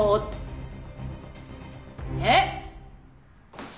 えっ？